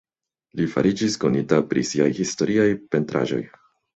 Li fariĝis konita pri siaj historiaj pentraĵoj.